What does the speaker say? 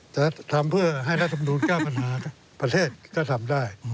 แต่ทำเพื่อให้รัฐมนูลแก้ปัญหาประเทศก็ทำได้